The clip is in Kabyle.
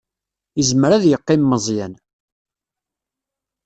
Izmer ad yeqqim Meẓyan.